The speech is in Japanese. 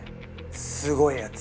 すごいやつ。